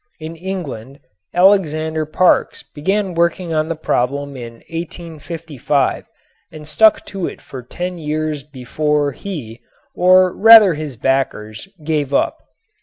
In England Alexander Parkes began working on the problem in 1855 and stuck to it for ten years before he, or rather his backers, gave up.